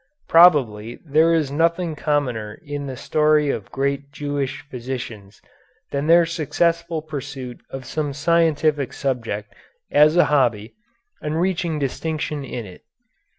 Probably there is nothing commoner in the story of great Jewish physicians than their successful pursuit of some scientific subject as a hobby and reaching distinction in it.